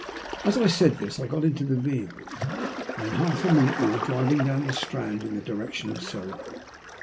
As I said this I got into the vehicle, and in half a minute we were driving down the Strand in the direction of Soho.